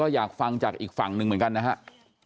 อยากฟังจากอีกฝั่งหนึ่งเหมือนกันนะครับ